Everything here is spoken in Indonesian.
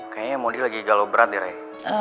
kayaknya mondi lagi galau berat deh ray